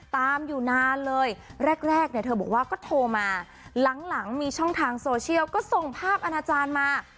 ตามอยู่นานเลยแรกแรกเนี่ยเธอบอกว่าก็โทรมาหลังมีช่องทางโซเชียลก็ส่งภาพอาณาจารย์มา